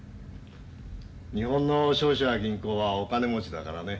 日本の商社や銀行はお金持ちだからね。